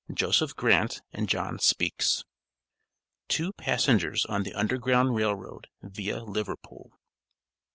JOSEPH GRANT AND JOHN SPEAKS. TWO PASSENGERS ON THE UNDERGROUND RAIL ROAD, VIA LIVERPOOL.